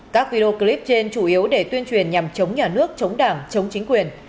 các video clip trên chủ yếu để tuyên truyền nhằm chống nhà nước chống đảng chống chính quyền